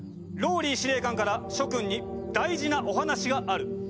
ＲＯＬＬＹ司令官から諸君に大事なお話がある！